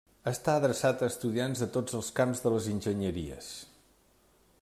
Està adreçat a estudiants de tots els camps de les enginyeries.